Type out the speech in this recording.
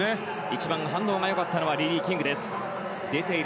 一番反応が良かったのはリリー・キングです。